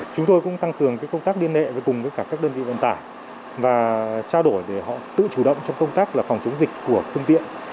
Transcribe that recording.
chúng tôi cũng tăng cường công tác liên hệ với cùng với cả các đơn vị vận tải và trao đổi để họ tự chủ động trong công tác là phòng chống dịch của phương tiện